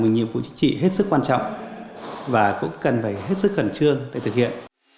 nhưng chính trị hết sức quan trọng và cũng cần phải hết sức khẩn trương để thực hiện